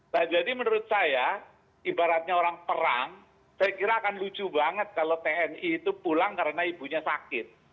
nah jadi menurut saya ibaratnya orang perang saya kira akan lucu banget kalau tni itu pulang karena ibunya sakit